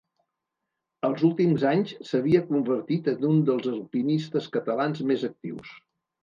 Els últims anys s’havia convertit en un dels alpinistes catalans més actius.